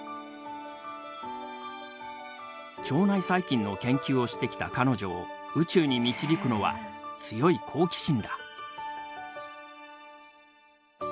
腸内細菌の研究をしてきた彼女を宇宙に導くのは強い好奇心だ。